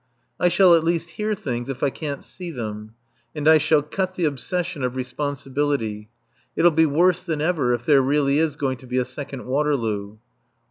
I shall at least hear things if I can't see them. And I shall cut the obsession of responsibility. It'll be worse than ever if there really is going to be a second Waterloo.